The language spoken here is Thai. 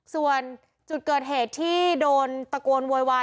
ส่วนจุดเกิดเหตุที่โดนตะโกนโวยวาย